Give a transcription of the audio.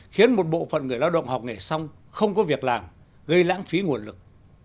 khiến một bộ phận người lao động học nghề xong không có việc làm gây lãng phí nguồn lực